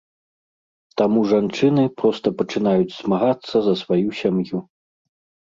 Таму жанчыны проста пачынаюць змагацца за сваю сям'ю.